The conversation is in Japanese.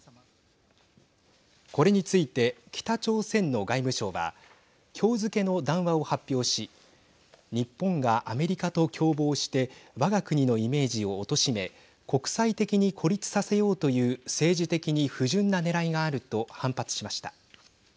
これについて北朝鮮の外務省はきょう付けの談話を発表し日本がアメリカと共謀してわが国のイメージをおとしめ国際的に孤立させようという政治的に不純なねらいがあると反発しました。